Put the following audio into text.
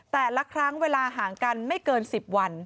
แต่ละครั้งเวลาห่างกันไม่เกิน๑๐วัน